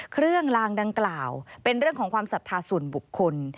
เครื่องลางดังกล่าวเป็นเรื่องของความศรัทธาส่วนบุคคล